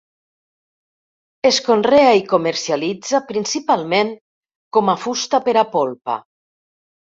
Es conrea i es comercialitza principalment com a fusta per a polpa.